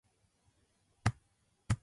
さらば